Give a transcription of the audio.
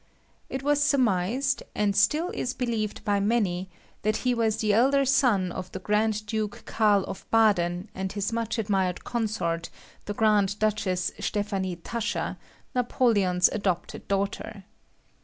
It was surmised, and still is believed by many, that he was elder son of the Grand Duke Karl of Baden and his much admired consort, the Grand Duchess Stephanie Tascher, Napoleon's adopted daughter.